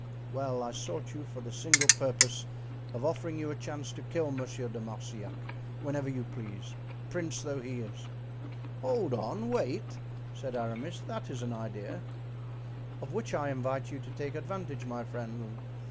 "Well, I sought you for the single purpose of offering you a chance to kill Monsieur de Marsillac whenever you please, prince though he is." "Hold on! wait!" said Aramis; "that is an idea!" "Of which I invite you to take advantage, my friend.